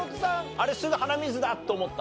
あれすぐ鼻水だと思った？